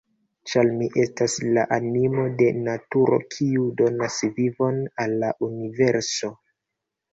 Ĉar Mi estas la animo de naturo, kiu donas vivon al la universo.